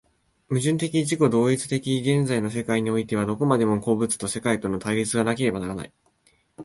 矛盾的自己同一的現在の世界においては、どこまでも個物と世界との対立がなければならない。